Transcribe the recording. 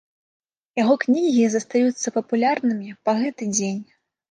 Яго кнігі застаюцца папулярнымі па гэты дзень.